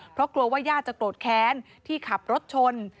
เพราะกลัวว่าญาติจะโกรธแค้นที่ขับรถชน